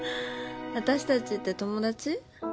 私たちって友達？